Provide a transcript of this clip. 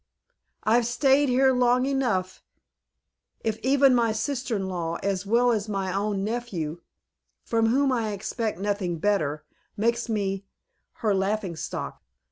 "I've stayed here long enough, if even my sister in law, as well as my own nephew, from whom I expect nothing better, makes me her laughing stock.